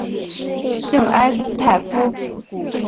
圣埃斯泰夫。